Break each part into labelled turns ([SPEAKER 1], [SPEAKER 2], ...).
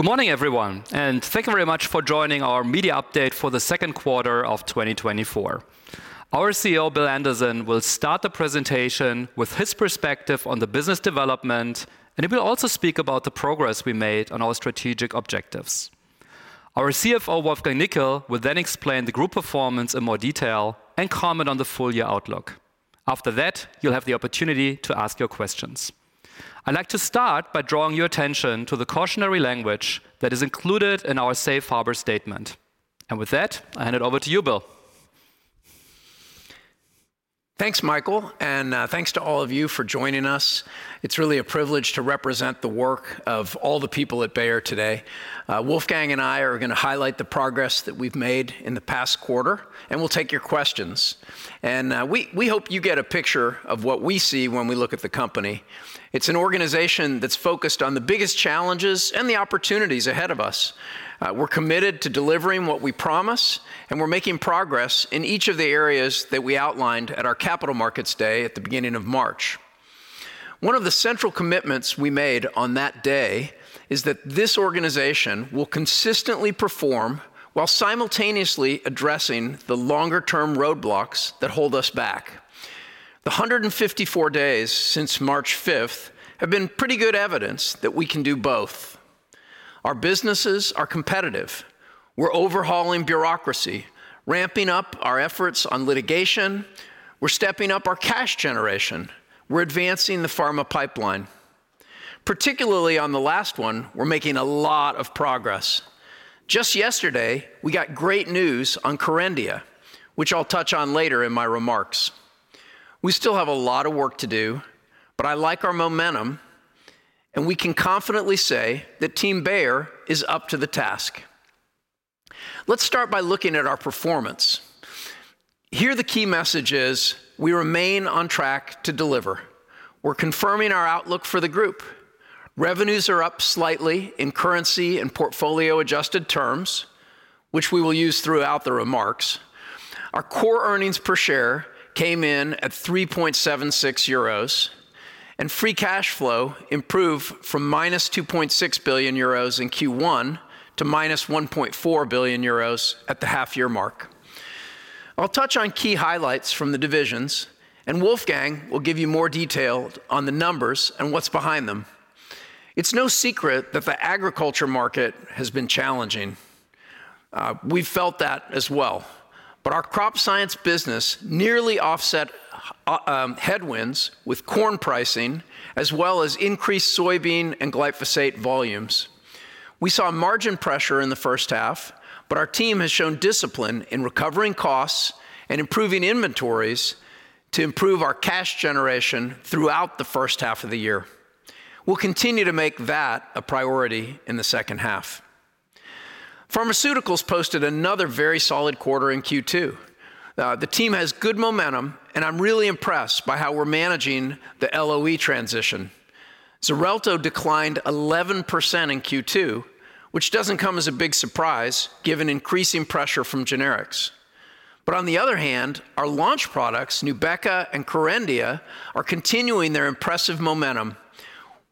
[SPEAKER 1] Good morning, everyone, and thank you very much for joining our media update for the second quarter of 2024. Our CEO, Bill Anderson, will start the presentation with his perspective on the business development, and he will also speak about the progress we made on our strategic objectives. Our CFO, Wolfgang Nickl, will then explain the group performance in more detail and comment on the full-year outlook. After that, you'll have the opportunity to ask your questions. I'd like to start by drawing your attention to the cautionary language that is included in our safe harbor statement. With that, I hand it over to you, Bill.
[SPEAKER 2] Thanks, Michael, and thanks to all of you for joining us. It's really a privilege to represent the work of all the people at Bayer today. Wolfgang and I are going to highlight the progress that we've made in the past quarter, and we'll take your questions. We hope you get a picture of what we see when we look at the company. It's an organization that's focused on the biggest challenges and the opportunities ahead of us. We're committed to delivering what we promise, and we're making progress in each of the areas that we outlined at our Capital Markets Day at the beginning of March. One of the central commitments we made on that day is that this organization will consistently perform while simultaneously addressing the longer-term roadblocks that hold us back. The 154 days since March 5th have been pretty good evidence that we can do both. Our businesses are competitive. We're overhauling bureaucracy, ramping up our efforts on litigation. We're stepping up our cash generation. We're advancing the pharma pipeline. Particularly on the last one, we're making a lot of progress. Just yesterday, we got great news on Kerendia, which I'll touch on later in my remarks. We still have a lot of work to do, but I like our momentum, and we can confidently say that Team Bayer is up to the task. Let's start by looking at our performance. Here, the key message is we remain on track to deliver. We're confirming our outlook for the group. Revenues are up slightly in currency and portfolio-adjusted terms, which we will use throughout the remarks. Our core earnings per share came in at 3.76 euros, and free cash flow improved from -2.6 billion euros in Q1 to -1.4 billion euros at the half-year mark. I'll touch on key highlights from the divisions, and Wolfgang will give you more detail on the numbers and what's behind them. It's no secret that the agriculture market has been challenging. We've felt that as well. But our crop science business nearly offset headwinds with corn pricing, as well as increased soybean and glyphosate volumes. We saw margin pressure in the first half, but our team has shown discipline in recovering costs and improving inventories to improve our cash generation throughout the first half of the year. We'll continue to make that a priority in the second half. Pharmaceuticals posted another very solid quarter in Q2. The team has good momentum, and I'm really impressed by how we're managing the LOE transition. Xarelto declined 11% in Q2, which doesn't come as a big surprise given increasing pressure from generics. But on the other hand, our launch products, Nubeqa and Kerendia, are continuing their impressive momentum,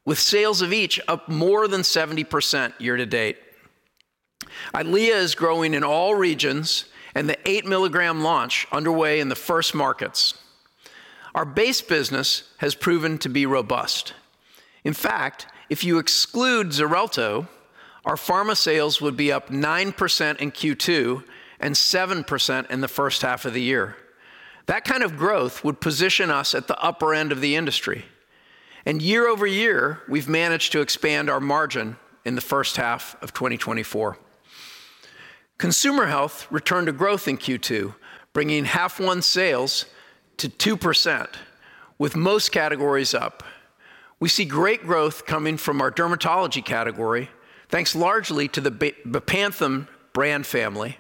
[SPEAKER 2] with sales of each up more than 70% year to date. Eylea is growing in all regions, and the 8-milligram launch is underway in the first markets. Our base business has proven to be robust. In fact, if you exclude Xarelto, our pharma sales would be up 9% in Q2 and 7% in the first half of the year. That kind of growth would position us at the upper end of the industry. And year over year, we've managed to expand our margin in the first half of 2024. Consumer Health returned to growth in Q2, bringing half-year sales to 2%, with most categories up. We see great growth coming from our dermatology category, thanks largely to the Bepanthen brand family.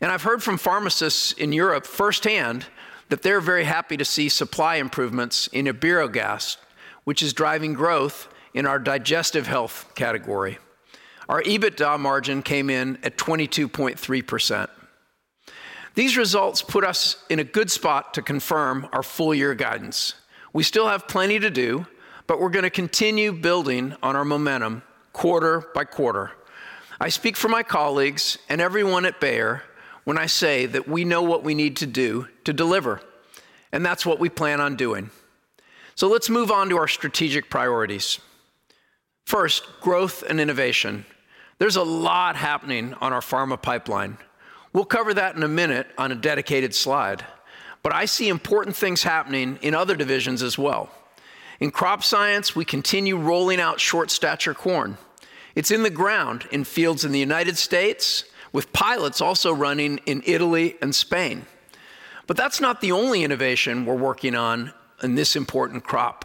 [SPEAKER 2] And I've heard from pharmacists in Europe firsthand that they're very happy to see supply improvements in Iberogast, which is driving growth in our digestive health category. Our EBITDA margin came in at 22.3%. These results put us in a good spot to confirm our full-year guidance. We still have plenty to do, but we're going to continue building on our momentum quarter by quarter. I speak for my colleagues and everyone at Bayer when I say that we know what we need to do to deliver, and that's what we plan on doing. So let's move on to our strategic priorities. First, growth and innovation. There's a lot happening on our pharma pipeline. We'll cover that in a minute on a dedicated slide. But I see important things happening in other divisions as well. In crop science, we continue rolling out short-stature corn. It's in the ground in fields in the United States, with pilots also running in Italy and Spain. But that's not the only innovation we're working on in this important crop.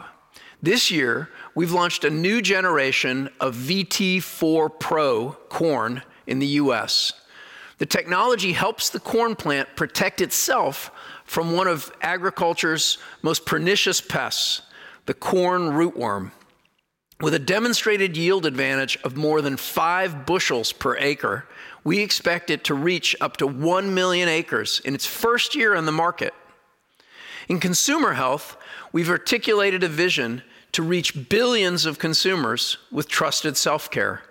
[SPEAKER 2] This year, we've launched a new generation of VT4PRO corn in the U.S. The technology helps the corn plant protect itself from one of agriculture's most pernicious pests, the corn rootworm. With a demonstrated yield advantage of more than five bushels per acre, we expect it to reach up to 1 million acres in its first year on the market. In consumer health, we've articulated a vision to reach billions of consumers with trusted self-care.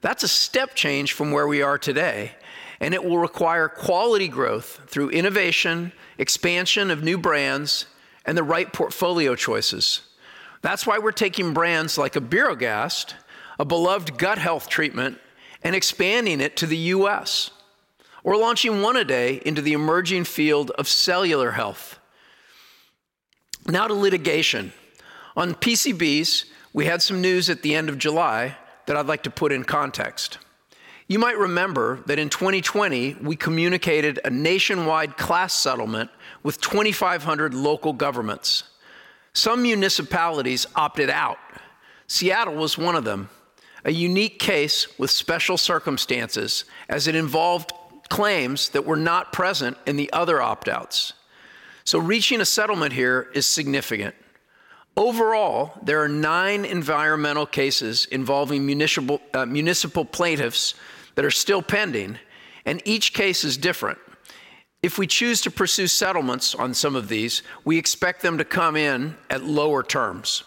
[SPEAKER 2] That's a step change from where we are today, and it will require quality growth through innovation, expansion of new brands, and the right portfolio choices. That's why we're taking brands like Iberogast, a beloved gut health treatment, and expanding it to the U.S. We're launching One A Day into the emerging field of cellular health. Now to litigation. On PCBs, we had some news at the end of July that I'd like to put in context. You might remember that in 2020, we communicated a nationwide class settlement with 2,500 local governments. Some municipalities opted out. Seattle was one of them, a unique case with special circumstances as it involved claims that were not present in the other opt-outs. So reaching a settlement here is significant. Overall, there are 9 environmental cases involving municipal plaintiffs that are still pending, and each case is different. If we choose to pursue settlements on some of these, we expect them to come in at lower terms.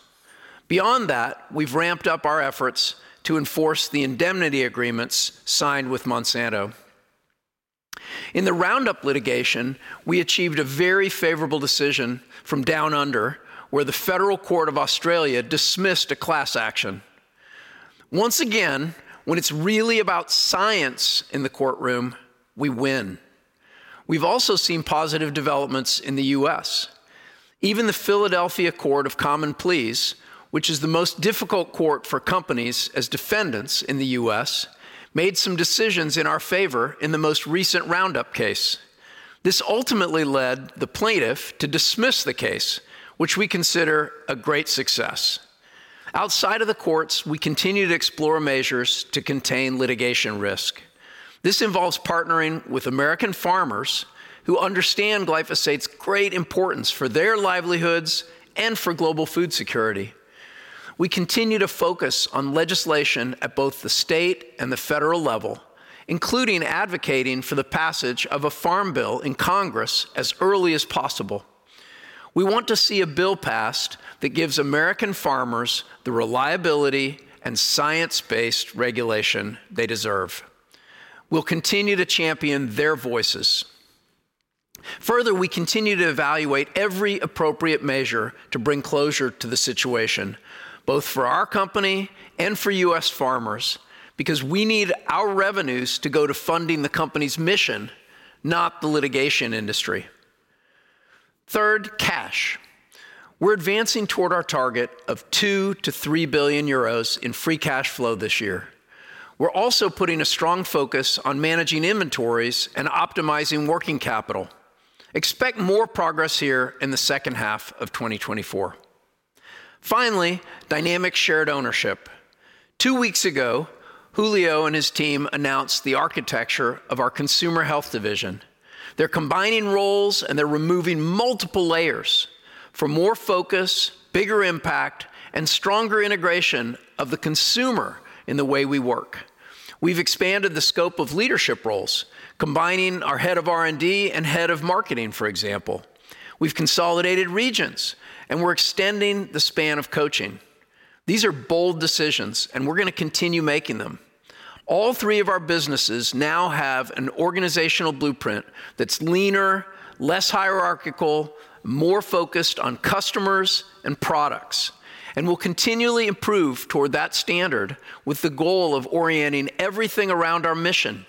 [SPEAKER 2] Beyond that, we've ramped up our efforts to enforce the indemnity agreements signed with Monsanto. In the Roundup litigation, we achieved a very favorable decision from Down Under, where the Federal Court of Australia dismissed a class action. Once again, when it's really about science in the courtroom, we win. We've also seen positive developments in the U.S. Even the Philadelphia Court of Common Pleas, which is the most difficult court for companies as defendants in the U.S., made some decisions in our favor in the most recent Roundup case. This ultimately led the plaintiff to dismiss the case, which we consider a great success. Outside of the courts, we continue to explore measures to contain litigation risk. This involves partnering with American farmers who understand glyphosate's great importance for their livelihoods and for global food security. We continue to focus on legislation at both the state and the federal level, including advocating for the passage of a farm bill in Congress as early as possible. We want to see a bill passed that gives American farmers the reliability and science-based regulation they deserve. We'll continue to champion their voices. Further, we continue to evaluate every appropriate measure to bring closure to the situation, both for our company and for U.S. farmers, because we need our revenues to go to funding the company's mission, not the litigation industry. Third, cash. We're advancing toward our target of 2 billion-3 billion euros in free cash flow this year. We're also putting a strong focus on managing inventories and optimizing working capital. Expect more progress here in the second half of 2024. Finally, dynamic shared ownership. Two weeks ago, Julio and his team announced the architecture of our consumer health division. They're combining roles, and they're removing multiple layers for more focus, bigger impact, and stronger integration of the consumer in the way we work. We've expanded the scope of leadership roles, combining our head of R&D and head of marketing, for example. We've consolidated regions, and we're extending the span of coaching. These are bold decisions, and we're going to continue making them. All three of our businesses now have an organizational blueprint that's leaner, less hierarchical, more focused on customers and products, and will continually improve toward that standard with the goal of orienting everything around our mission.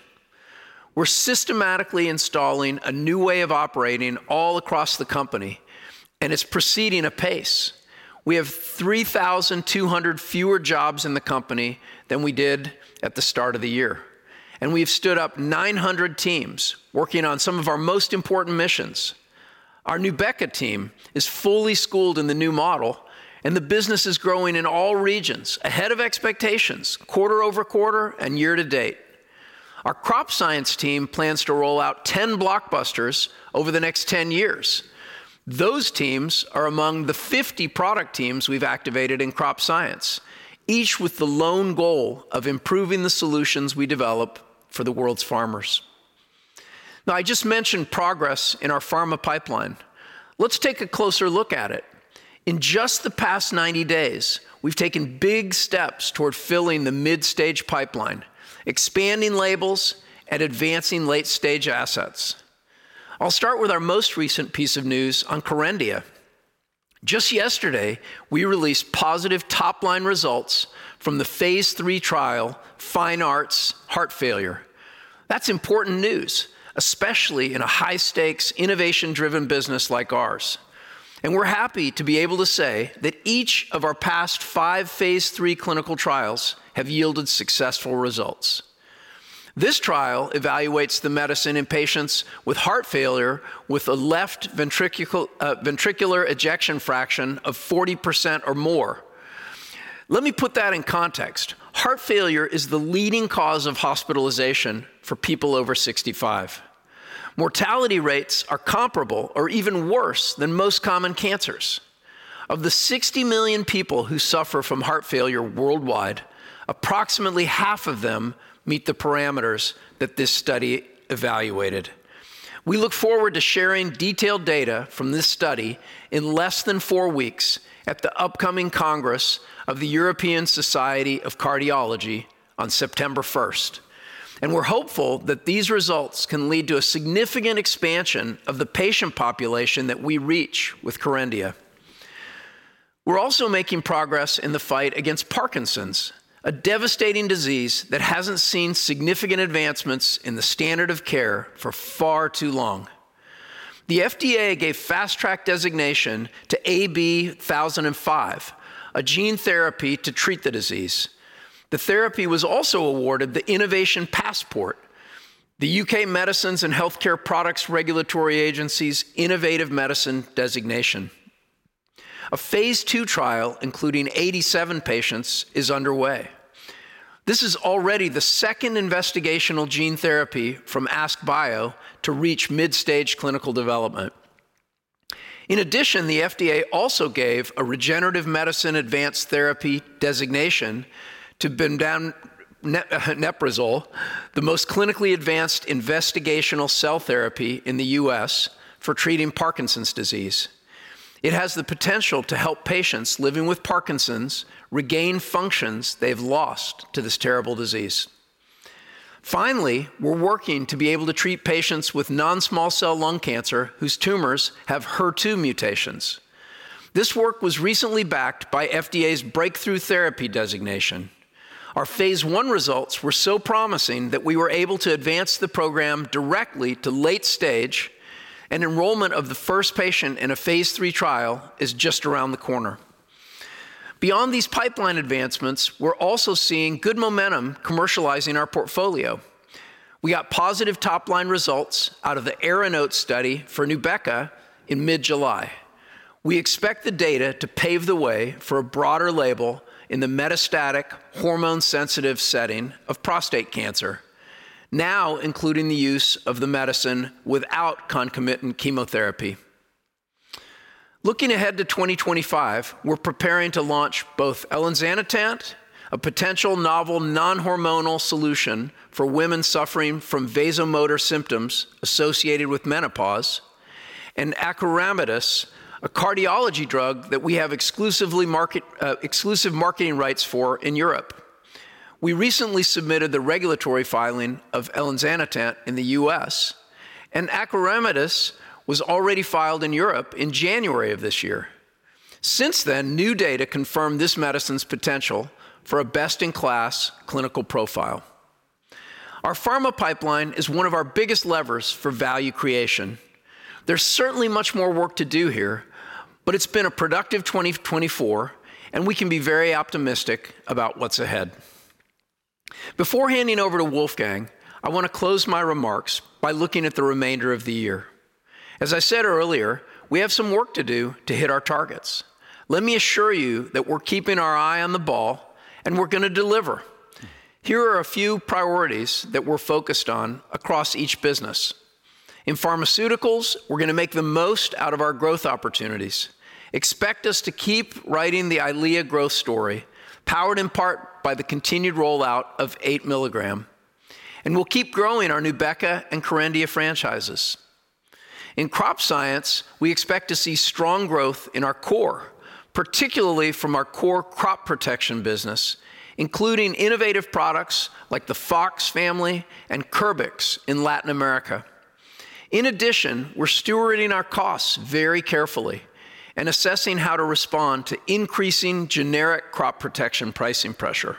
[SPEAKER 2] We're systematically installing a new way of operating all across the company, and it's proceeding apace. We have 3,200 fewer jobs in the company than we did at the start of the year, and we have stood up 900 teams working on some of our most important missions. Our Nubeqa team is fully schooled in the new model, and the business is growing in all regions ahead of expectations, quarter-over-quarter and year to date. Our crop science team plans to roll out 10 blockbusters over the next 10 years. Those teams are among the 50 product teams we've activated in crop science, each with the lone goal of improving the solutions we develop for the world's farmers. Now, I just mentioned progress in our pharma pipeline. Let's take a closer look at it. In just the past 90 days, we've taken big steps toward filling the mid-stage pipeline, expanding labels, and advancing late-stage assets. I'll start with our most recent piece of news on Kerendia. Just yesterday, we released positive top-line results from the phase III trial, FINEARTS heart failure. That's important news, especially in a high-stakes, innovation-driven business like ours. We're happy to be able to say that each of our past five phase III clinical trials have yielded successful results. This trial evaluates the medicine in patients with heart failure with a left ventricular ejection fraction of 40% or more. Let me put that in context. Heart failure is the leading cause of hospitalization for people over 65. Mortality rates are comparable or even worse than most common cancers. Of the 60 million people who suffer from heart failure worldwide, approximately half of them meet the parameters that this study evaluated. We look forward to sharing detailed data from this study in less than four weeks at the upcoming Congress of the European Society of Cardiology on September 1st. We're hopeful that these results can lead to a significant expansion of the patient population that we reach with Kerendia. We're also making progress in the fight against Parkinson's, a devastating disease that hasn't seen significant advancements in the standard of care for far too long. The FDA gave Fast Track designation to AB-1005, a gene therapy to treat the disease. The therapy was also awarded the Innovation Passport, the U.K. Medicines and Healthcare Products Regulatory Agency's Innovative Medicine designation. A phase II trial, including 87 patients, is underway. This is already the second investigational gene therapy from AskBio to reach mid-stage clinical development. In addition, the FDA also gave a Regenerative Medicine Advanced Therapy designation to bemdaneprocel, the most clinically advanced investigational cell therapy in the U.S. for treating Parkinson's disease. It has the potential to help patients living with Parkinson's regain functions they've lost to this terrible disease. Finally, we're working to be able to treat patients with non-small cell lung cancer whose tumors have HER2 mutations. This work was recently backed by FDA's Breakthrough Therapy designation. Our phase I results were so promising that we were able to advance the program directly to late stage, and enrollment of the first patient in a phase III trial is just around the corner. Beyond these pipeline advancements, we're also seeing good momentum commercializing our portfolio. We got positive top-line results out of the ARANOTE study for Nubeqa in mid-July. We expect the data to pave the way for a broader label in the metastatic, hormone-sensitive setting of prostate cancer, now including the use of the medicine without concomitant chemotherapy. Looking ahead to 2025, we're preparing to launch both Elinzanetant, a potential novel non-hormonal solution for women suffering from vasomotor symptoms associated with menopause, and Acoramidis, a cardiology drug that we have exclusive marketing rights for in Europe. We recently submitted the regulatory filing of Elinzanetant in the U.S., and Acoramidis was already filed in Europe in January of this year. Since then, new data confirmed this medicine's potential for a best-in-class clinical profile. Our pharma pipeline is one of our biggest levers for value creation. There's certainly much more work to do here, but it's been a productive 2024, and we can be very optimistic about what's ahead. Before handing over to Wolfgang, I want to close my remarks by looking at the remainder of the year. As I said earlier, we have some work to do to hit our targets. Let me assure you that we're keeping our eye on the ball, and we're going to deliver. Here are a few priorities that we're focused on across each business. In pharmaceuticals, we're going to make the most out of our growth opportunities. Expect us to keep writing the Eylea growth story, powered in part by the continued rollout of 8 milligram. And we'll keep growing our Nubeqa and Kerendia franchises. In crop science, we expect to see strong growth in our core, particularly from our core crop protection business, including innovative products like the Fox family and Curbix in Latin America. In addition, we're stewarding our costs very carefully and assessing how to respond to increasing generic crop protection pricing pressure.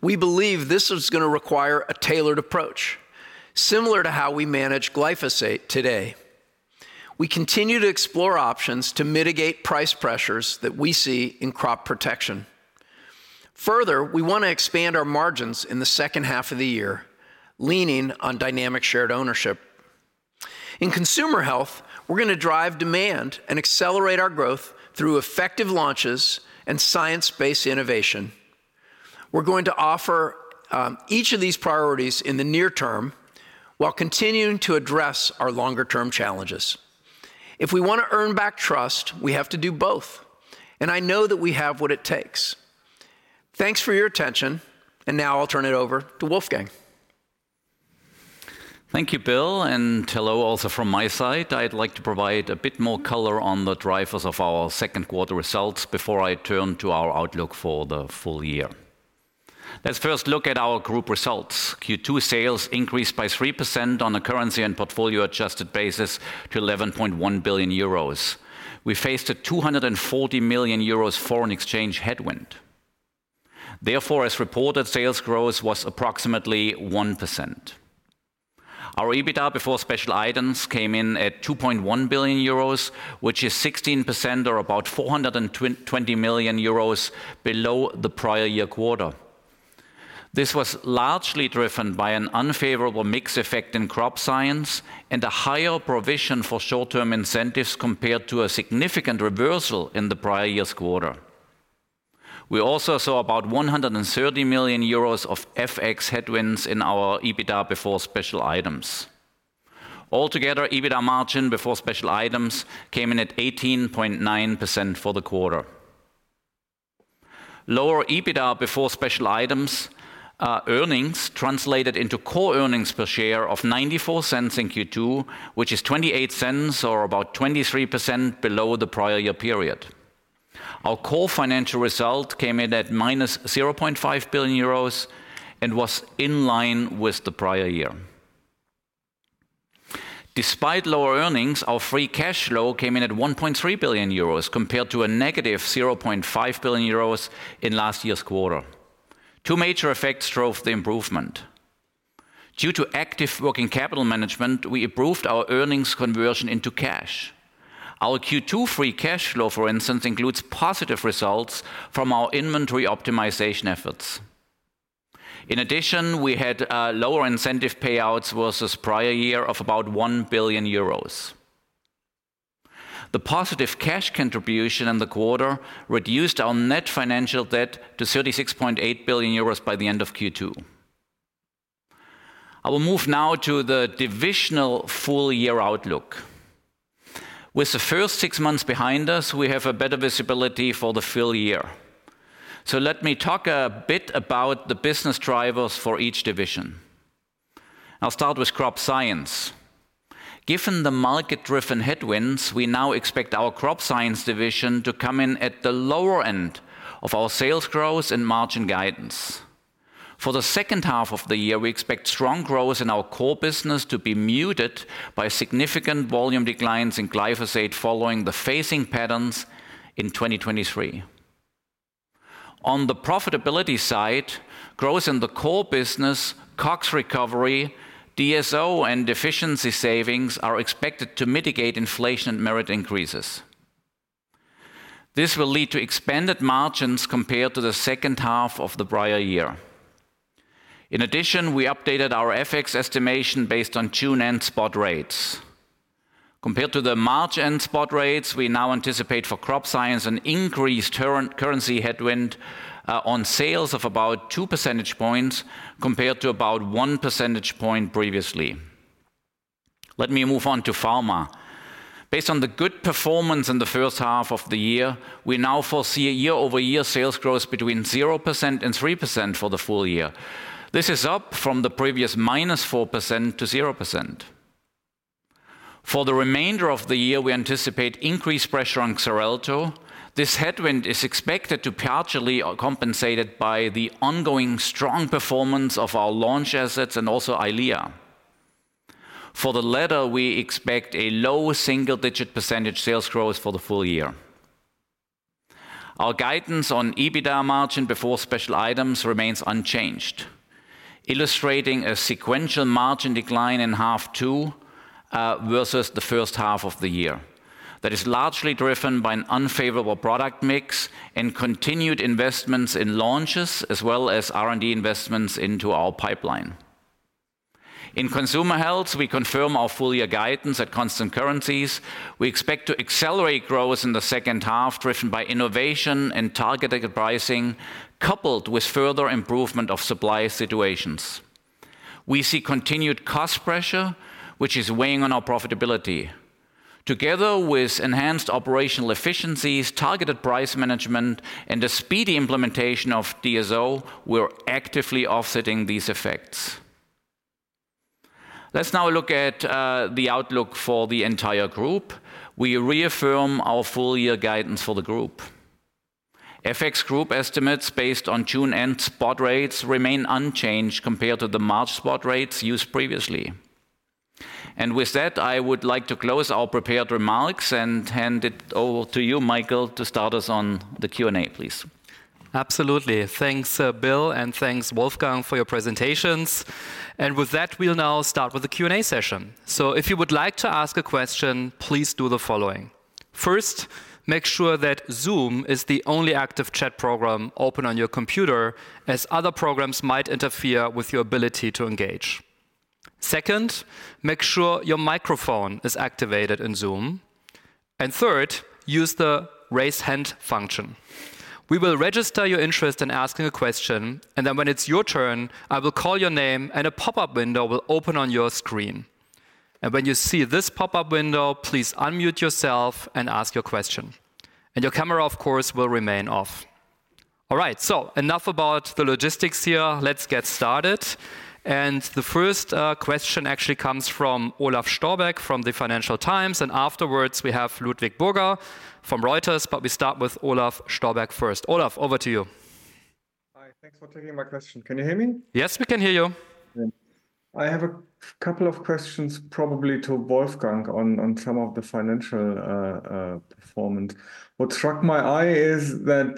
[SPEAKER 2] We believe this is going to require a tailored approach, similar to how we manage glyphosate today. We continue to explore options to mitigate price pressures that we see in crop protection. Further, we want to expand our margins in the second half of the year, leaning on Dynamic Shared Ownership. In Consumer Health, we're going to drive demand and accelerate our growth through effective launches and science-based innovation. We're going to offer each of these priorities in the near term while continuing to address our longer-term challenges. If we want to earn back trust, we have to do both, and I know that we have what it takes. Thanks for your attention, and now I'll turn it over to Wolfgang.
[SPEAKER 3] Thank you, Bill, and hello also from my side. I'd like to provide a bit more color on the drivers of our second quarter results before I turn to our outlook for the full year. Let's first look at our group results. Q2 sales increased by 3% on a currency and portfolio-adjusted basis to 11.1 billion euros. We faced a 240 million euros foreign exchange headwind. Therefore, as reported, sales growth was approximately 1%. Our EBITDA before special items came in at 2.1 billion euros, which is 16% or about 420 million euros below the prior year quarter. This was largely driven by an unfavorable mix effect in crop science and a higher provision for short-term incentives compared to a significant reversal in the prior year's quarter. We also saw about 130 million euros of FX headwinds in our EBITDA before special items. Altogether, EBITDA margin before special items came in at 18.9% for the quarter. Lower EBITDA before special items earnings translated into core earnings per share of 0.94 in Q2, which is 0.28 or about 23% below the prior year period. Our core financial result came in at -0.5 billion euros and was in line with the prior year. Despite lower earnings, our free cash flow came in at 1.3 billion euros compared to a -0.5 billion euros in last year's quarter. Two major effects drove the improvement. Due to active working capital management, we improved our earnings conversion into cash. Our Q2 free cash flow, for instance, includes positive results from our inventory optimization efforts. In addition, we had lower incentive payouts versus prior year of about 1 billion euros. The positive cash contribution in the quarter reduced our net financial debt to 36.8 billion euros by the end of Q2. I will move now to the divisional full-year outlook. With the first six months behind us, we have a better visibility for the full year. So let me talk a bit about the business drivers for each division. I'll start with Crop Science. Given the market-driven headwinds, we now expect our Crop Science division to come in at the lower end of our sales growth and margin guidance. For the second half of the year, we expect strong growth in our core business to be muted by significant volume declines in glyphosate following the phasing patterns in 2023. On the profitability side, growth in the core business, COGS recovery, DSO, and efficiency savings are expected to mitigate inflation and merit increases. This will lead to expanded margins compared to the second half of the prior year. In addition, we updated our FX estimation based on June and spot rates. Compared to the March and spot rates, we now anticipate for Crop Science an increased currency headwind on sales of about 2 percentage points compared to about 1 percentage point previously. Let me move on to pharma. Based on the good performance in the first half of the year, we now foresee a year-over-year sales growth between zero percent and 3% for the full year. This is up from the previous -4% to zero percent. For the remainder of the year, we anticipate increased pressure on Xarelto. This headwind is expected to partially compensate it by the ongoing strong performance of our launch assets and also Eylea. For the latter, we expect a low single-digit percentage sales growth for the full year. Our guidance on EBITDA margin before special items remains unchanged, illustrating a sequential margin decline in half two versus the first half of the year. That is largely driven by an unfavorable product mix and continued investments in launches, as well as R&D investments into our pipeline. In consumer health, we confirm our full-year guidance at constant currencies. We expect to accelerate growth in the second half, driven by innovation and targeted pricing, coupled with further improvement of supply situations. We see continued cost pressure, which is weighing on our profitability. Together with enhanced operational efficiencies, targeted price management, and the speedy implementation of DSO, we're actively offsetting these effects. Let's now look at the outlook for the entire group. We reaffirm our full-year guidance for the group. FX group estimates based on June and spot rates remain unchanged compared to the March spot rates used previously. And with that, I would like to close our prepared remarks and hand it over to you, Michael, to start us on the Q&A, please.
[SPEAKER 1] Absolutely. Thanks, Bill, and thanks, Wolfgang, for your presentations. With that, we'll now start with the Q&A session. So if you would like to ask a question, please do the following. First, make sure that Zoom is the only active chat program open on your computer, as other programs might interfere with your ability to engage. Second, make sure your microphone is activated in Zoom. And third, use the raise hand function. We will register your interest in asking a question, and then when it's your turn, I will call your name and a pop-up window will open on your screen. And when you see this pop-up window, please unmute yourself and ask your question. And your camera, of course, will remain off. All right, so enough about the logistics here. Let's get started. And the first question actually comes from Olaf Storbeck from the Financial Times. Afterwards, we have Ludwig Burger from Reuters, but we start with Olaf Storbeck first. Olaf, over to you.
[SPEAKER 4] Hi, thanks for taking my question. Can you hear me?
[SPEAKER 1] Yes, we can hear you.
[SPEAKER 4] I have a couple of questions, probably to Wolfgang on some of the financial performance. What struck my eye is that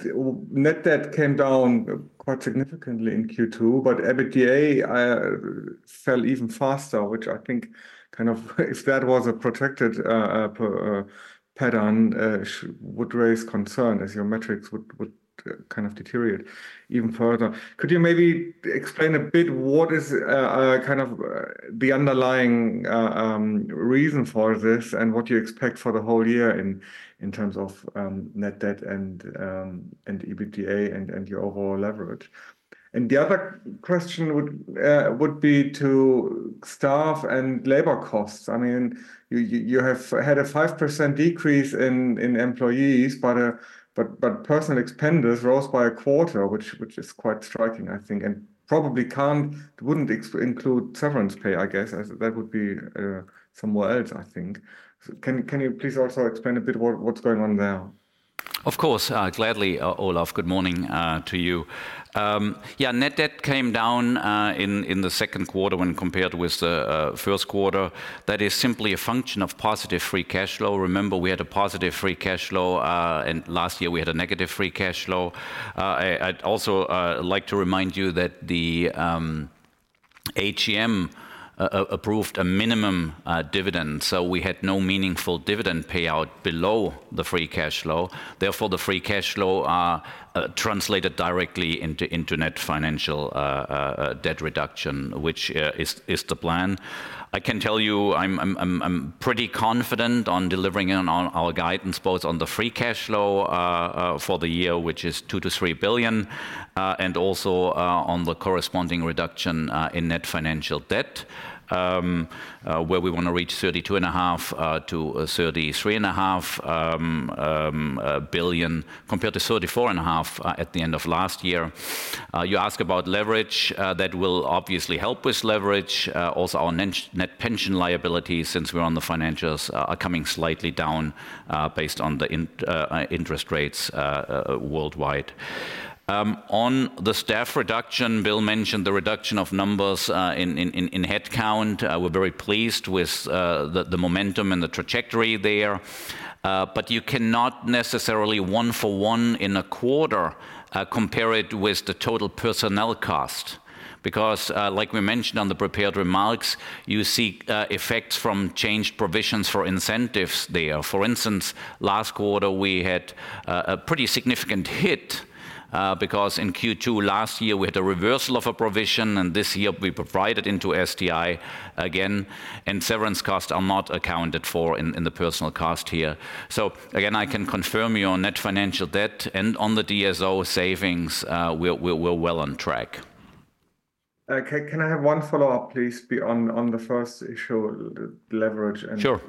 [SPEAKER 4] net debt came down quite significantly in Q2, but EBITDA fell even faster, which I think kind of, if that was a protected pattern, would raise concern as your metrics would kind of deteriorate even further. Could you maybe explain a bit what is kind of the underlying reason for this and what you expect for the whole year in terms of net debt and EBITDA and your overall leverage? And the other question would be to Stefan and labor costs. I mean, you have had a 5% decrease in employees, but personnel expenditure rose by a quarter, which is quite striking, I think, and probably wouldn't include severance pay, I guess. That would be somewhere else, I think. Can you please also explain a bit what's going on there?
[SPEAKER 3] Of course, gladly, Olaf. Good morning to you. Yeah, net debt came down in the second quarter when compared with the first quarter. That is simply a function of positive free cash flow. Remember, we had a positive free cash flow, and last year we had a negative free cash flow. I'd also like to remind you that the AGM approved a minimum dividend, so we had no meaningful dividend payout below the free cash flow. Therefore, the free cash flow translated directly into net financial debt reduction, which is the plan. I can tell you I'm pretty confident on delivering on our guidance, both on the free cash flow for the year, which is 2 billion-3 billion, and also on the corresponding reduction in net financial debt, where we want to reach 32.5 billion-33.5 billion compared to 34.5 billion at the end of last year. You ask about leverage. That will obviously help with leverage. Also, our net pension liabilities, since we're on the financials, are coming slightly down based on the interest rates worldwide. On the staff reduction, Bill mentioned the reduction of numbers in headcount. We're very pleased with the momentum and the trajectory there. But you cannot necessarily one for one in a quarter compare it with the total personnel cost, because, like we mentioned on the prepared remarks, you see effects from changed provisions for incentives there. For instance, last quarter, we had a pretty significant hit because in Q2 last year, we had a reversal of a provision, and this year we provided into STI again, and severance costs are not accounted for in the personnel cost here. So again, I can confirm your net financial debt and on the DSO savings, we're well on track.
[SPEAKER 4] Can I have one follow-up, please, on the first issue, leverage and EBITDA?
[SPEAKER 3] Sure.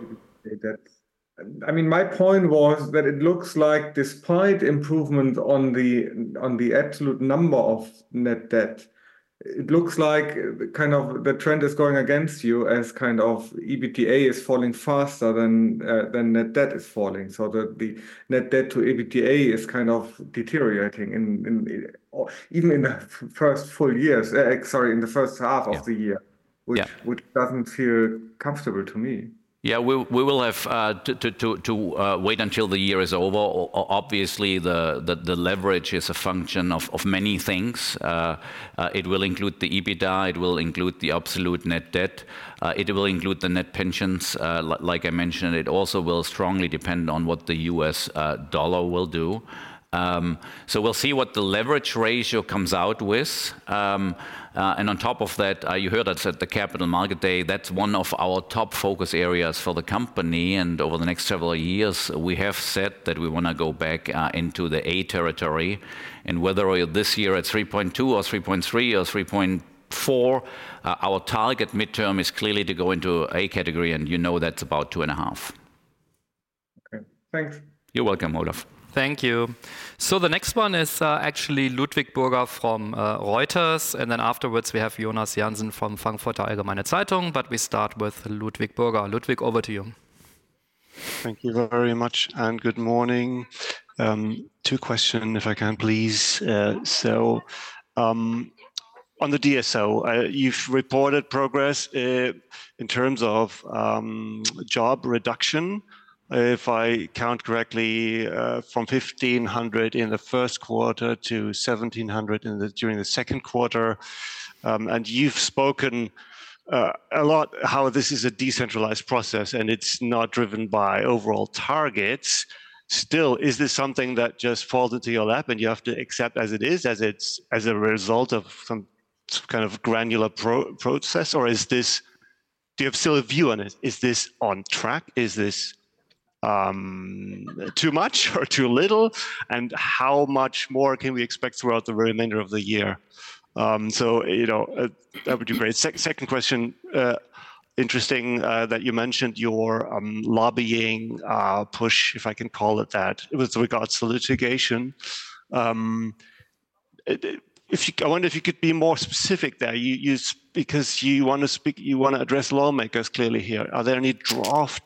[SPEAKER 4] I mean, my point was that it looks like despite improvement on the absolute number of net debt, it looks like kind of the trend is going against you as kind of EBITDA is falling faster than net debt is falling. So the net debt to EBITDA is kind of deteriorating even in the first full years, sorry, in the first half of the year, which doesn't feel comfortable to me.
[SPEAKER 3] Yeah, we will have to wait until the year is over. Obviously, the leverage is a function of many things. It will include the EBITDA. It will include the absolute net debt. It will include the net pensions. Like I mentioned, it also will strongly depend on what the U.S. dollar will do. So we'll see what the leverage ratio comes out with. And on top of that, you heard us at the Capital Market Day. That's one of our top focus areas for the company. And over the next several years, we have said that we want to go back into the A territory. And whether this year at 3.2 or 3.3 or 3.4, our target midterm is clearly to go into A category. And you know that's about 2.5.
[SPEAKER 4] Okay, thanks.
[SPEAKER 3] You're welcome, Olaf.
[SPEAKER 1] Thank you. So the next one is actually Ludwig Burger from Reuters. And then afterwards, we have Jonas Jansen from Frankfurter Allgemeine Zeitung. But we start with Ludwig Burger. Ludwig, over to you.
[SPEAKER 5] Thank you very much. Good morning. Two questions, if I can, please. So on the DSO, you've reported progress in terms of job reduction, if I count correctly, from 1,500 in the first quarter to 1,700 during the second quarter. And you've spoken a lot how this is a decentralized process and it's not driven by overall targets. Still, is this something that just falls into your lap and you have to accept as it is, as a result of some kind of granular process? Or do you have still a view on it? Is this on track? Is this too much or too little? And how much more can we expect throughout the remainder of the year? So that would be great. Second question, interesting that you mentioned your lobbying push, if I can call it that, with regards to litigation. I wonder if you could be more specific there because you want to address lawmakers clearly here. Are there any draft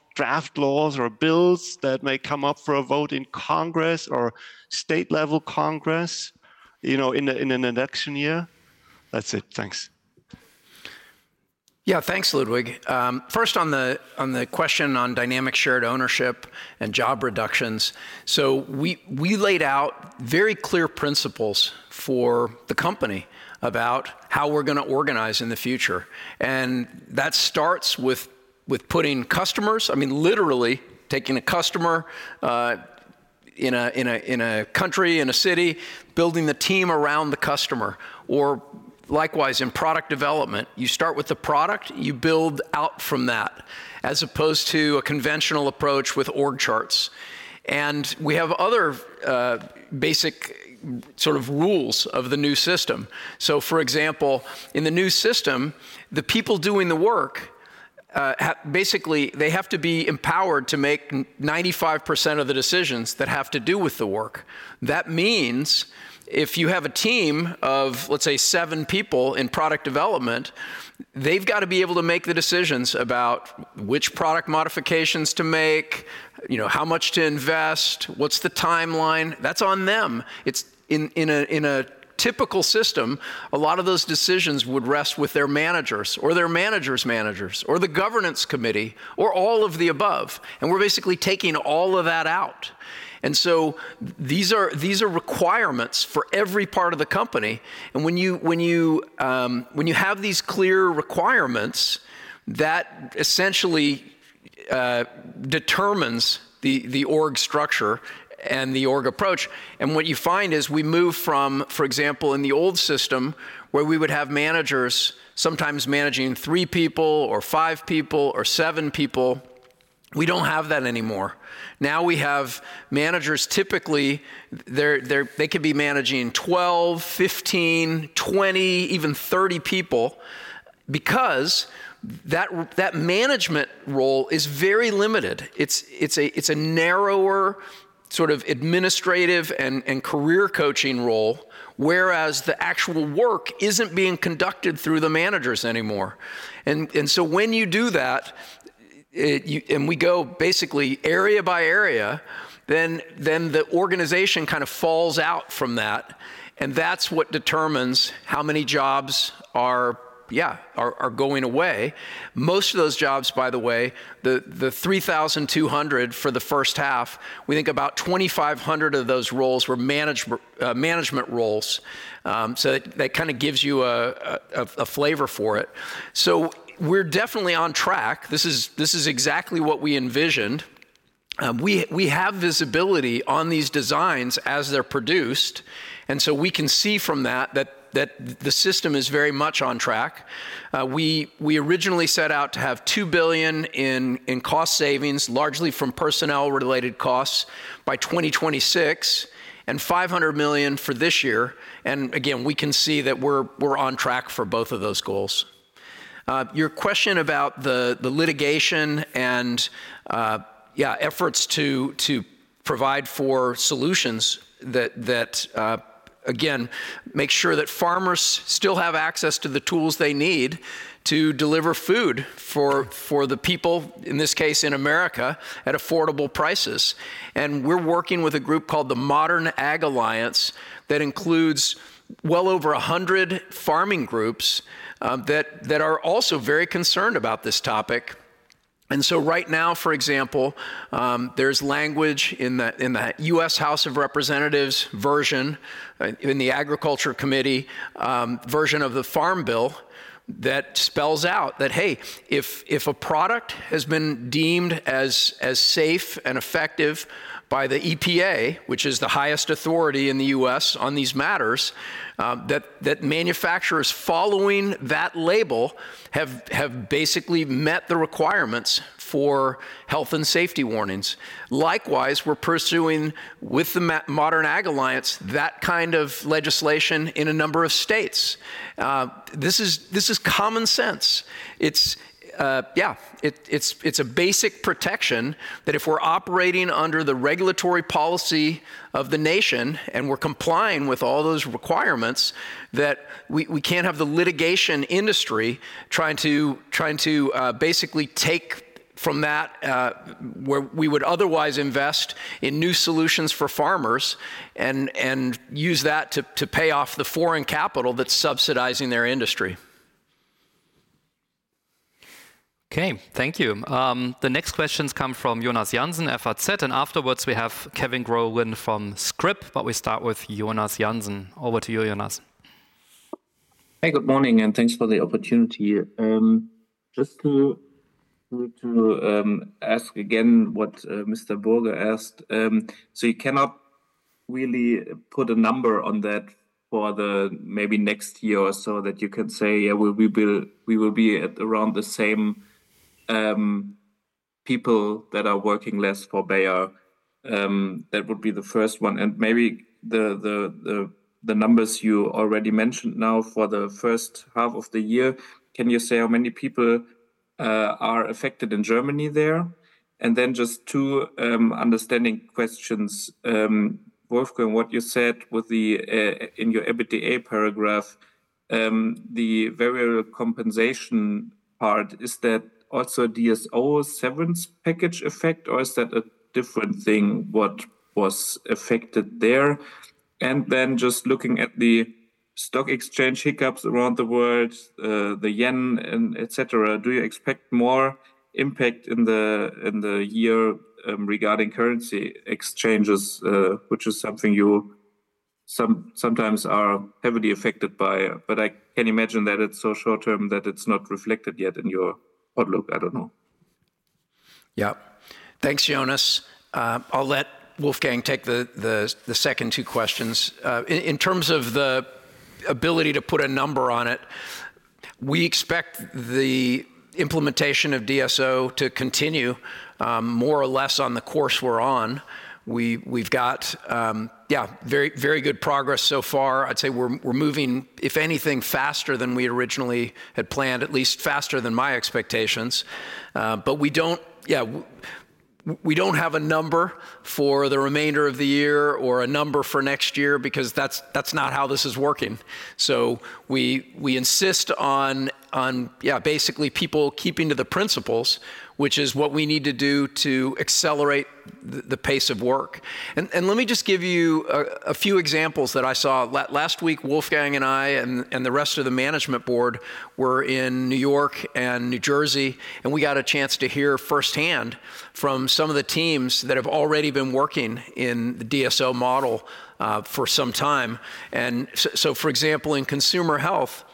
[SPEAKER 5] laws or bills that may come up for a vote in Congress or state-level Congress in an election year? That's it. Thanks.
[SPEAKER 2] Yeah, thanks, Ludwig. First, on the question on dynamic shared ownership and job reductions, so we laid out very clear principles for the company about how we're going to organize in the future. That starts with putting customers, I mean, literally taking a customer in a country, in a city, building the team around the customer. Or likewise, in product development, you start with the product, you build out from that, as opposed to a conventional approach with org charts. We have other basic sort of rules of the new system. So for example, in the new system, the people doing the work, basically, they have to be empowered to make 95% of the decisions that have to do with the work. That means if you have a team of, let's say, seven people in product development, they've got to be able to make the decisions about which product modifications to make, how much to invest, what's the timeline. That's on them. In a typical system, a lot of those decisions would rest with their managers or their manager's managers or the governance committee or all of the above. And we're basically taking all of that out. And so these are requirements for every part of the company. And when you have these clear requirements, that essentially determines the org structure and the org approach. What you find is we move from, for example, in the old system, where we would have managers sometimes managing 3 people or 5 people or 7 people, we don't have that anymore. Now we have managers, typically, they can be managing 12, 15, 20, even 30 people because that management role is very limited. It's a narrower sort of administrative and career coaching role, whereas the actual work isn't being conducted through the managers anymore. And so when you do that, and we go basically area by area, then the organization kind of falls out from that. And that's what determines how many jobs are, yeah, going away. Most of those jobs, by the way, the 3,200 for the first half, we think about 2,500 of those roles were management roles. So that kind of gives you a flavor for it. So we're definitely on track. This is exactly what we envisioned. We have visibility on these designs as they're produced. And so we can see from that that the system is very much on track. We originally set out to have 2 billion in cost savings, largely from personnel-related costs, by 2026, and 500 million for this year. And again, we can see that we're on track for both of those goals. Your question about the litigation and, yeah, efforts to provide for solutions that, again, make sure that farmers still have access to the tools they need to deliver food for the people, in this case, in America, at affordable prices. And we're working with a group called the Modern Ag Alliance that includes well over 100 farming groups that are also very concerned about this topic. And so right now, for example, there's language in the U.S. House of Representatives version, in the Agriculture Committee version of the Farm Bill that spells out that, hey, if a product has been deemed as safe and effective by the EPA, which is the highest authority in the U.S. on these matters, that manufacturers following that label have basically met the requirements for health and safety warnings. Likewise, we're pursuing with the Modern Ag Alliance that kind of legislation in a number of states. This is common sense. Yeah, it's a basic protection that if we're operating under the regulatory policy of the nation and we're complying with all those requirements, that we can't have the litigation industry trying to basically take from that where we would otherwise invest in new solutions for farmers and use that to pay off the foreign capital that's subsidizing their industry.
[SPEAKER 1] Okay, thank you. The next questions come from Jonas Jansen, FAZ. And afterwards, we have Kevin Grogan from Scrip. But we start with Jonas Jansen. Over to you, Jonas.
[SPEAKER 6] Hey, good morning. And thanks for the opportunity. Just to ask again what Mr. Burger asked. So you cannot really put a number on that for the maybe next year or so that you can say, yeah, we will be around the same people that are working less for Bayer. That would be the first one. And maybe the numbers you already mentioned now for the first half of the year, can you say how many people are affected in Germany there? And then just two understanding questions. Wolfgang, what you said in your EBITDA paragraph, the variable compensation part, is that also DSO severance package effect, or is that a different thing what was affected there? And then just looking at the stock exchange hiccups around the world, the yen, etc., do you expect more impact in the year regarding currency exchanges, which is something you sometimes are heavily affected by? But I can imagine that it's so short-term that it's not reflected yet in your outlook. I don't know.
[SPEAKER 2] Yeah, thanks, Jonas. I'll let Wolfgang take the second two questions. In terms of the ability to put a number on it, we expect the implementation of DSO to continue more or less on the course we're on. We've got, yeah, very good progress so far. I'd say we're moving, if anything, faster than we originally had planned, at least faster than my expectations. But we don't have a number for the remainder of the year or a number for next year because that's not how this is working. So we insist on, yeah, basically people keeping to the principles, which is what we need to do to accelerate the pace of work. Let me just give you a few examples that I saw. Last week, Wolfgang and I and the rest of the Management Board were in New York and New Jersey, and we got a chance to hear firsthand from some of the teams that have already been working in the DSO model for some time. So, for example, in Consumer Health,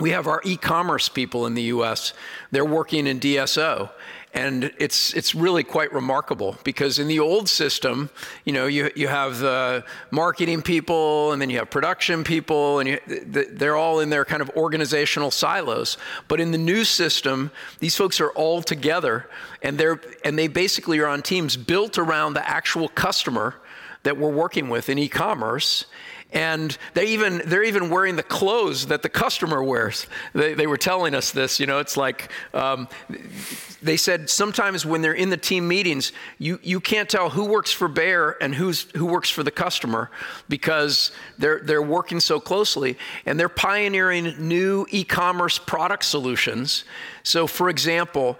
[SPEAKER 2] we have our e-commerce people in the U.S. They're working in DSO. It's really quite remarkable because in the old system, you have the marketing people, and then you have production people, and they're all in their kind of organizational silos. In the new system, these folks are all together, and they basically are on teams built around the actual customer that we're working with in e-commerce. They're even wearing the clothes that the customer wears. They were telling us this. It's like they said sometimes when they're in the team meetings, you can't tell who works for Bayer and who works for the customer because they're working so closely. They're pioneering new e-commerce product solutions. For example,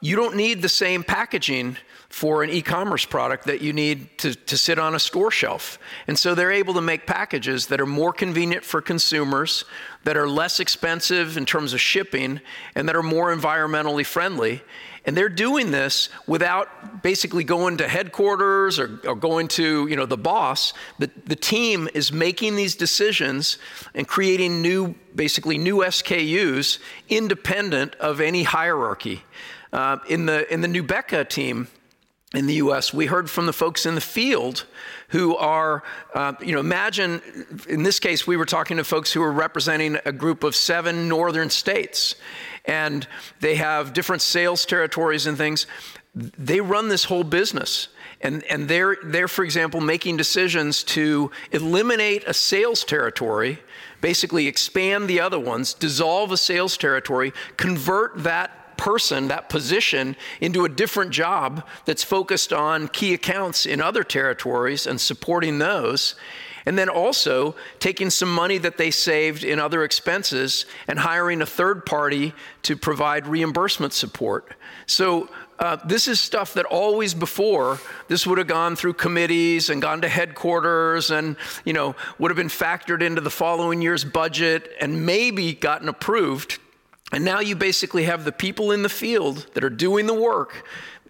[SPEAKER 2] you don't need the same packaging for an e-commerce product that you need to sit on a store shelf. They're able to make packages that are more convenient for consumers, that are less expensive in terms of shipping, and that are more environmentally friendly. They're doing this without basically going to headquarters or going to the boss. The team is making these decisions and creating basically new SKUs independent of any hierarchy. In the Nubeqa team in the U.S., we heard from the folks in the field who are, imagine, in this case, we were talking to folks who are representing a group of seven northern states. And they have different sales territories and things. They run this whole business. And they're, for example, making decisions to eliminate a sales territory, basically expand the other ones, dissolve a sales territory, convert that person, that position into a different job that's focused on key accounts in other territories and supporting those, and then also taking some money that they saved in other expenses and hiring a third party to provide reimbursement support. So this is stuff that always before this would have gone through committees and gone to headquarters and would have been factored into the following year's budget and maybe gotten approved. Now you basically have the people in the field that are doing the work,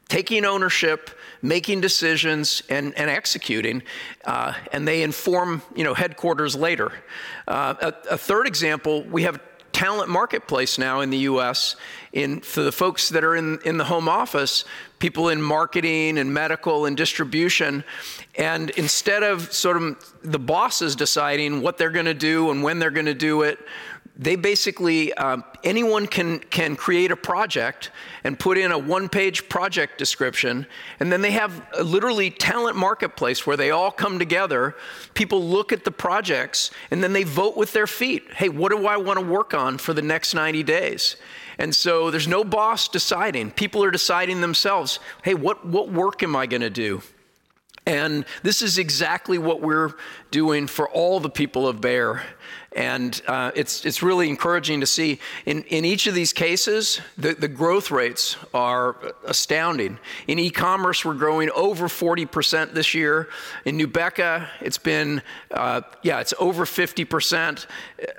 [SPEAKER 2] taking ownership, making decisions, and executing. They inform headquarters later. A third example, we have Talent Marketplace now in the U.S. For the folks that are in the home office, people in marketing and medical and distribution. Instead of sort of the bosses deciding what they're going to do and when they're going to do it, anyone can create a project and put in a one-page project description. Then they have literally Talent Marketplace where they all come together. People look at the projects, and then they vote with their feet. Hey, what do I want to work on for the next 90 days? So there's no boss deciding. People are deciding themselves. Hey, what work am I going to do? And this is exactly what we're doing for all the people of Bayer. And it's really encouraging to see in each of these cases, the growth rates are astounding. In e-commerce, we're growing over 40% this year. In Nubeqa, it's been, yeah, it's over 50%.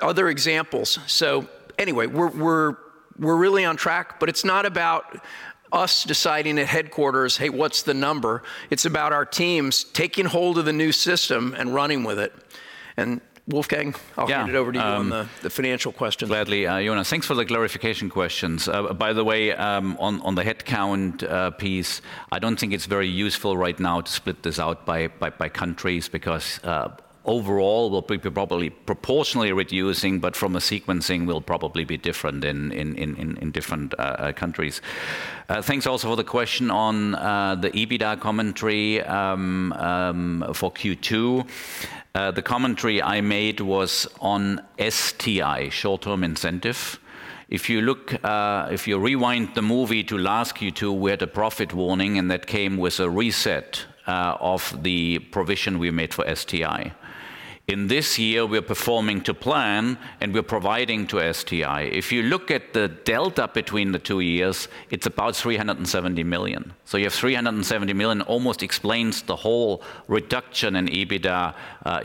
[SPEAKER 2] Other examples. So anyway, we're really on track. But it's not about us deciding at headquarters, hey, what's the number? It's about our teams taking hold of the new system and running with it. And Wolfgang, I'll hand it over to you on the financial questions.
[SPEAKER 3] Gladly, Jonas. Thanks for the clarification questions. By the way, on the headcount piece, I don't think it's very useful right now to split this out by countries because overall, we'll probably proportionally reducing, but from a sequencing, we'll probably be different in different countries. Thanks also for the question on the EBITDA commentary for Q2. The commentary I made was on STI, short-term incentive. If you rewind the movie to last Q2, we had a profit warning, and that came with a reset of the provision we made for STI. In this year, we're performing to plan, and we're providing to STI. If you look at the delta between the two years, it's about 370 million. So you have 370 million almost explains the whole reduction in EBITDA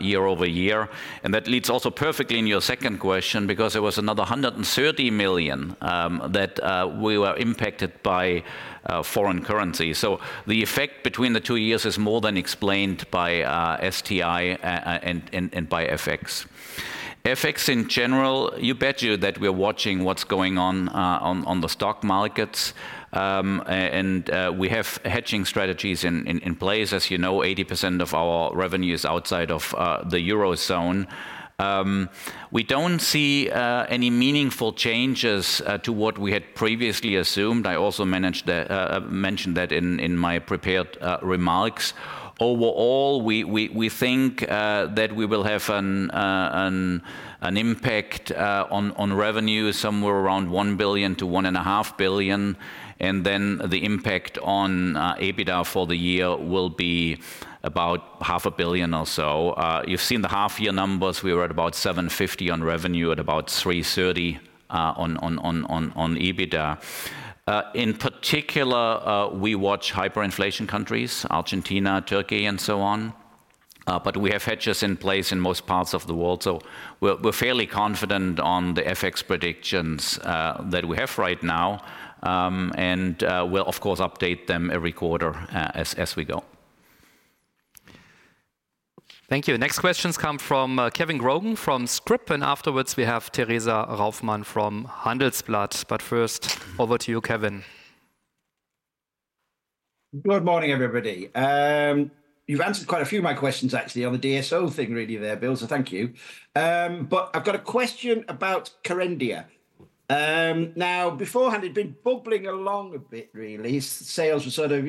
[SPEAKER 3] year-over-year. And that leads also perfectly in your second question because there was another 130 million that we were impacted by foreign currency. So the effect between the two years is more than explained by STI and by FX. FX in general, I bet you that we're watching what's going on on the stock markets. And we have hedging strategies in place. As you know, 80% of our revenue is outside of the eurozone. We don't see any meaningful changes to what we had previously assumed. I also mentioned that in my prepared remarks. Overall, we think that we will have an impact on revenue somewhere around 1 billion-1.5 billion. And then the impact on EBITDA for the year will be about 0.5 billion or so. You've seen the half-year numbers. We were at about 750 million on revenue at about 330 million on EBITDA. In particular, we watch hyperinflation countries, Argentina, Turkey, and so on. But we have hedges in place in most parts of the world. So we're fairly confident on the FX predictions that we have right now. And we'll, of course, update them every quarter as we go. Thank you. Next questions come from Kevin Grogan from Scrip. And afterwards, we have Theresa Rauffmann from Handelsblatt. But first, over to you, Kevin.
[SPEAKER 7] Good morning, everybody. You've answered quite a few of my questions, actually, on the DSO thing really there, Bill. So thank you. But I've got a question about Kerendia. Now, beforehand, it had been bubbling along a bit, really. Sales were sort of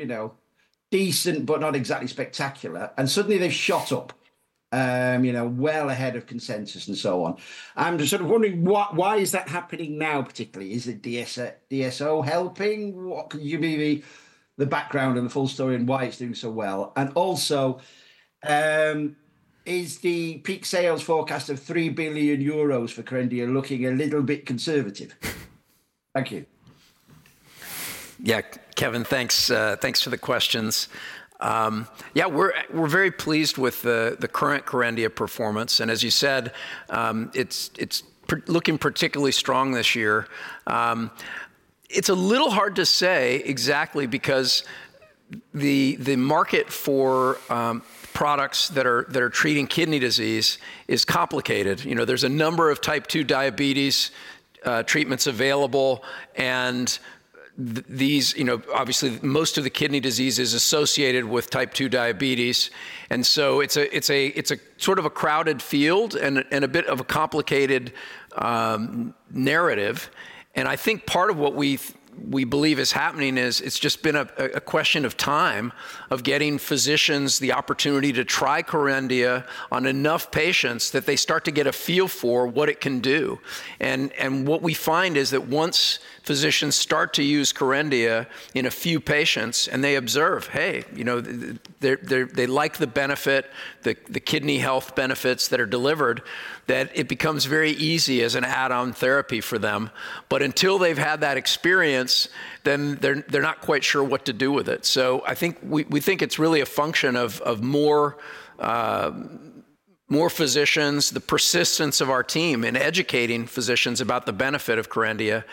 [SPEAKER 7] decent, but not exactly spectacular. And suddenly, they've shot up well ahead of consensus and so on. I'm just sort of wondering, why is that happening now, particularly? Is it DSO helping? What could you be the background and the full story and why it's doing so well? And also, is the peak sales forecast of 3 billion euros for Kerendia looking a little bit conservative? Thank you.
[SPEAKER 2] Yeah, Kevin, thanks for the questions. Yeah, we're very pleased with the current Kerendia performance. And as you said, it's looking particularly strong this year. It's a little hard to say exactly because the market for products that are treating kidney disease is complicated. There's a number of type 2 diabetes treatments available. And obviously, most of the kidney disease is associated with type 2 diabetes. And so it's a sort of a crowded field and a bit of a complicated narrative. And I think part of what we believe is happening is it's just been a question of time of getting physicians the opportunity to try Kerendia on enough patients that they start to get a feel for what it can do. What we find is that once physicians start to use Kerendia in a few patients and they observe, hey, they like the benefit, the kidney health benefits that are delivered, that it becomes very easy as an add-on therapy for them. But until they've had that experience, then they're not quite sure what to do with it. So I think we think it's really a function of more physicians, the persistence of our team in educating physicians about the benefit of Kerendia.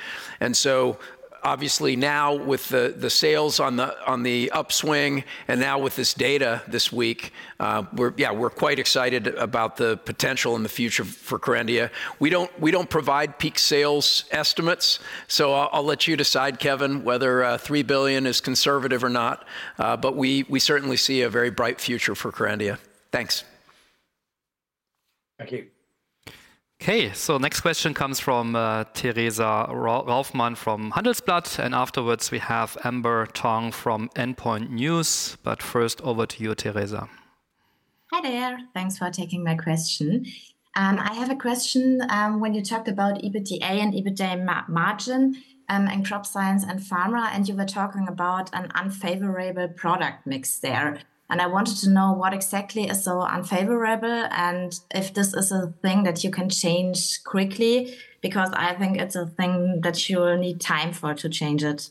[SPEAKER 2] And so obviously now with the sales on the upswing and now with this data this week, yeah, we're quite excited about the potential in the future for Kerendia. We don't provide peak sales estimates. So I'll let you decide, Kevin, whether 3 billion is conservative or not. But we certainly see a very bright future for Kerendia. Thanks.
[SPEAKER 7] Thank you.
[SPEAKER 1] Okay, so next question comes from Teresa Raufmann from Handelsblatt. And afterwards, we have Amber Tong from Endpoints News. But first, over to you, Teresa.
[SPEAKER 8] Hi there. Thanks for taking my question. I have a question. When you talked about EBITDA and EBITDA margin and crop science and pharma, and you were talking about an unfavorable product mix there. And I wanted to know what exactly is so unfavorable and if this is a thing that you can change quickly because I think it's a thing that you'll need time for to change it.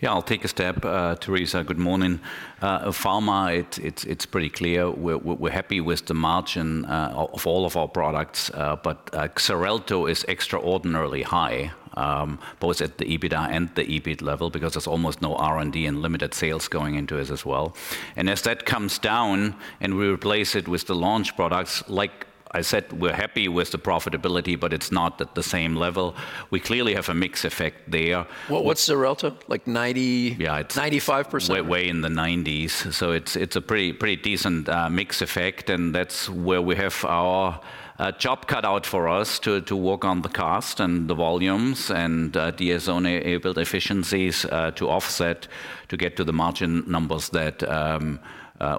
[SPEAKER 3] Yeah, I'll take a step. Teresa, good morning. Pharma, it's pretty clear. We're happy with the margin of all of our products. But Xarelto is extraordinarily high, both at the EBITDA and the EBIT level because there's almost no R&D and limited sales going into it as well. As that comes down and we replace it with the launch products, like I said, we're happy with the profitability, but it's not at the same level. We clearly have a mixed effect there. What's Xarelto? Like 90%-95%? Way in the 90s. So it's a pretty decent mixed effect. And that's where we have our job cut out for us to work on the cost and the volumes and DSO-enabled efficiencies to offset to get to the margin numbers that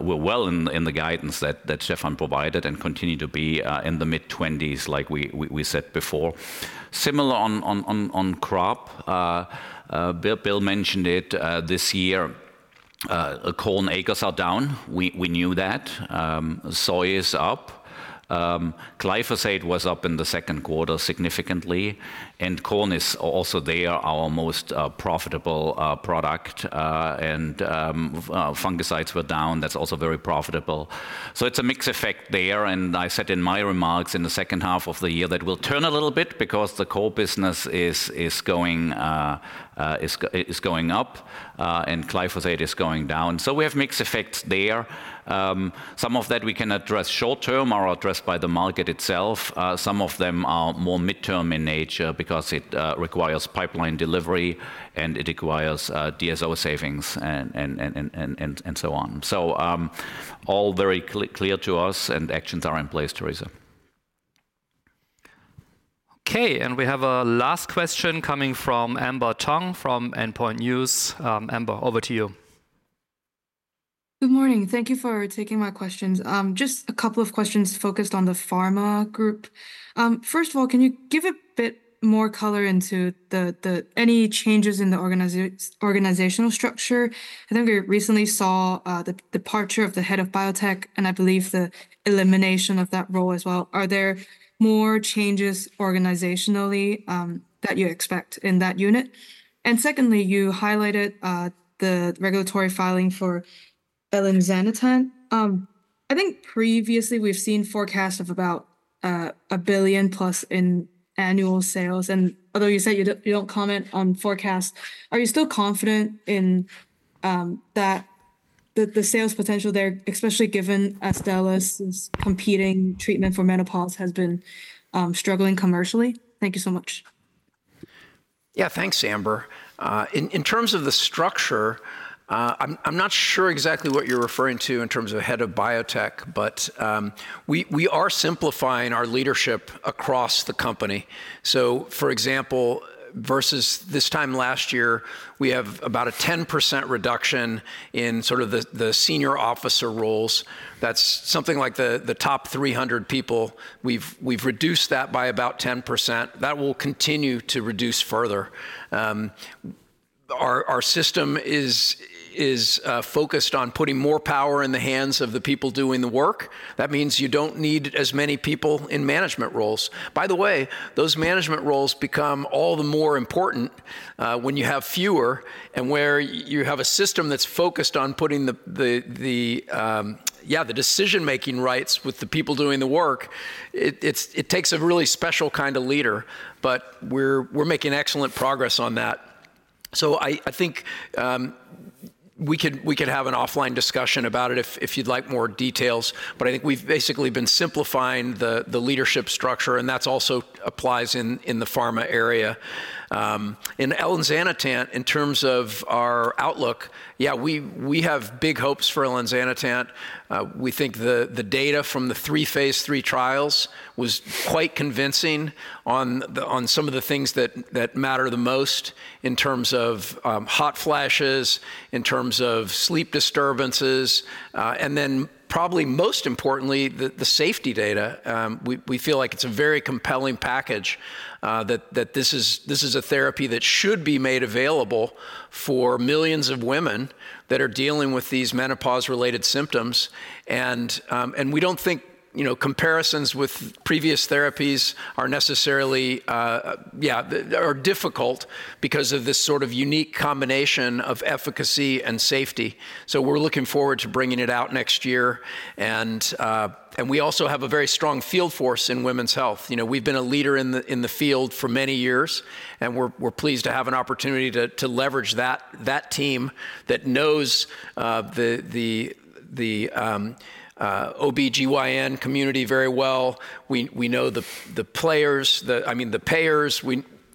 [SPEAKER 3] were well in the guidance that Stefan provided and continue to be in the mid-20s, like we said before. Similar on crop, Bill mentioned it this year. Corn, acres are down. We knew that. Soy is up. Glyphosate was up in the second quarter significantly. And corn is also there, our most profitable product. And fungicides were down. That's also very profitable. So it's a mixed effect there. I said in my remarks in the second half of the year that we'll turn a little bit because the core business is going up and glyphosate is going down. So we have mixed effects there. Some of that we can address short term or address by the market itself. Some of them are more mid-term in nature because it requires pipeline delivery and it requires DSO savings and so on. So all very clear to us and actions are in place, Teresa.
[SPEAKER 1] Okay, and we have a last question coming from Amber Tong from Endpoints News. Amber, over to you.
[SPEAKER 9] Good morning. Thank you for taking my questions. Just a couple of questions focused on the pharma group. First of all, can you give a bit more color into any changes in the organizational structure? I think we recently saw the departure of the head of biotech and I believe the elimination of that role as well. Are there more changes organizationally that you expect in that unit? And secondly, you highlighted the regulatory filing for Elinzanetant. I think previously we've seen forecasts of about 1 billion+ in annual sales. And although you said you don't comment on forecasts, are you still confident in that the sales potential there, especially given Astellas' competing treatment for menopause has been struggling commercially? Thank you so much.
[SPEAKER 2] Yeah, thanks, Amber. In terms of the structure, I'm not sure exactly what you're referring to in terms of head of biotech, but we are simplifying our leadership across the company. So for example, versus this time last year, we have about a 10% reduction in sort of the senior officer roles. That's something like the top 300 people. We've reduced that by about 10%. That will continue to reduce further. Our system is focused on putting more power in the hands of the people doing the work. That means you don't need as many people in management roles. By the way, those management roles become all the more important when you have fewer and where you have a system that's focused on putting, yeah, the decision-making rights with the people doing the work. It takes a really special kind of leader, but we're making excellent progress on that. So I think we could have an offline discussion about it if you'd like more details. But I think we've basically been simplifying the leadership structure, and that also applies in the pharma area. In Elinzanetant, in terms of our outlook, yeah, we have big hopes for Elinzanetant. We think the data from the three phase III trials was quite convincing on some of the things that matter the most in terms of hot flashes, in terms of sleep disturbances. Then probably most importantly, the safety data. We feel like it's a very compelling package that this is a therapy that should be made available for millions of women that are dealing with these menopause-related symptoms. We don't think comparisons with previous therapies are necessarily, yeah, are difficult because of this sort of unique combination of efficacy and safety. So we're looking forward to bringing it out next year. We also have a very strong field force in women's health. We've been a leader in the field for many years, and we're pleased to have an opportunity to leverage that team that knows the OB-GYN community very well We know the players, I mean, the payers.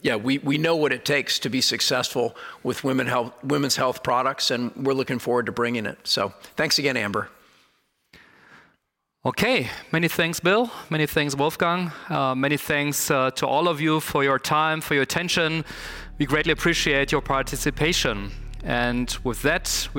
[SPEAKER 2] Yeah, we know what it takes to be successful with women's health products, and we're looking forward to bringing it. So thanks again, Amber.
[SPEAKER 1] Okay, many thanks, Bill. Many thanks, Wolfgang. Many thanks to all of you for your time, for your attention. We greatly appreciate your participation. And with that, we.